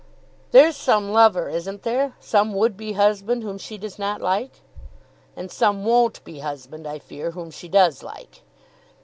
"There's some lover, isn't there; some would be husband whom she does not like?" "And some won't be husband, I fear, whom she does like."